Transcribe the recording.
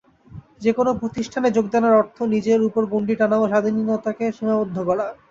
যে কোন প্রতিষ্ঠানে যোগদানের অর্থ নিজের উপর গণ্ডী টানা ও স্বাধীনতাকে সীমাবদ্ধ করা।